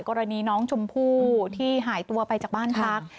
กรณีน้องชมพู่ที่หายตัวไปจากบ้านพัก